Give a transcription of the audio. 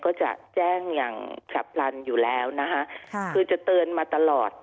ก็จะแจ้งอย่างฉับพลันอยู่แล้วนะคะคือจะเตือนมาตลอด